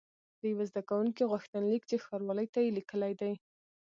د یوه زده کوونکي غوښتنلیک چې ښاروالۍ ته یې لیکلی دی.